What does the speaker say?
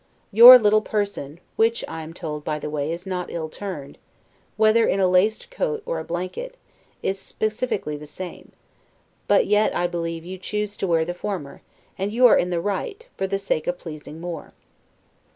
Your little person (which I am told, by the way, is not ill turned), whether in a laced coat or a blanket, is specifically the same; but yet, I believe, you choose to wear the former, and you are in the right, for the sake of pleasing more.